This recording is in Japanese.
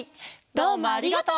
どうもありがとう！